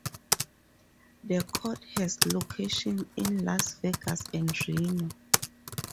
The court has locations in Las Vegas and Reno.